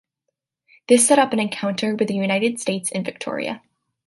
This set up an encounter with the United States in Victoria.